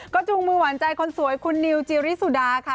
จูงมือหวานใจคนสวยคุณนิวจิริสุดาค่ะ